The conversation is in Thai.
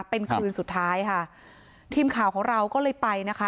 เป็นคืนสุดท้ายค่ะทีมข่าวของเราก็เลยไปนะคะ